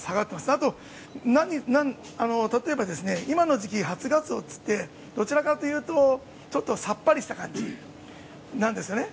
あと例えば今の時期初ガツオといってどちらかというとちょっとさっぱりした感じなんですよね。